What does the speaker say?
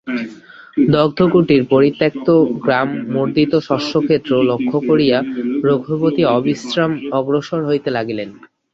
দগ্ধ কুটির, পরিত্যক্ত গ্রাম মর্দিত শস্যক্ষেত্র লক্ষ্য করিয়া রঘুপতি অবিশ্রাম অগ্রসর হইতে লাগিলেন।